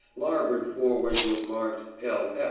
; larboard forward was marked "L.